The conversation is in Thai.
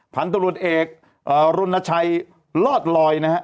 พันตรวจเอกรณชัยลอดลอยนะฮะ